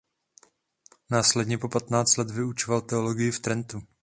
Následně po patnáct let vyučoval teologii v Trentu.